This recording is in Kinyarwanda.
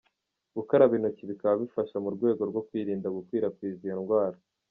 Gukaraba intoki bikaba bifasha mu rwego rwo kwirinda gukwirakwiza iyo ndwara.